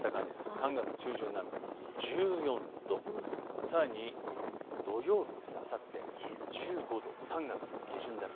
３月中旬並み、１４度、さらに土曜日、１５度、３月下旬並み。